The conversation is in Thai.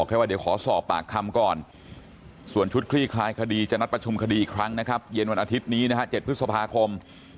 เขาต้องมีเวลาในการสะสม